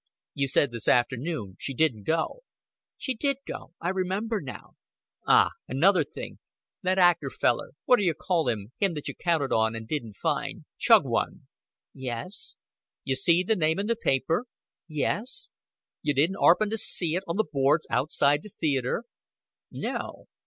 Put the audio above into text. "You said this afternoon she didn't go." "She did go. I remember now." "Ah! Another thing! That actor feller what d'yer call 'im him that you counted on and didn't find Chugwun!" "Yes." "You see the name in the paper?" "Yes." "You didn't aarpen t'see it on the boards outside the theater?" "No."